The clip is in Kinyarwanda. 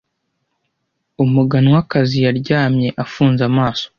Umuganwakazi yaryamye afunze amaso.